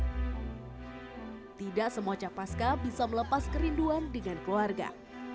tidak semua capaska bisa melepas kerinduan dengan keluarga